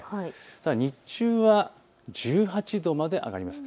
ただ日中は１８度まで上がります。